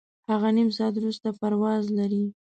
هغه نیم ساعت وروسته پرواز لري.